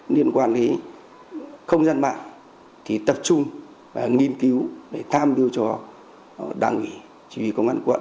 liên quan đến không gian mạng thì tập trung và nghiên cứu để tham dự cho đăng nghỉ chủ yếu công an quận